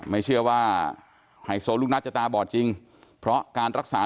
ไม่เชื่อว่าไฮโซลูกนัดจะตาบอดจริงเพราะการรักษา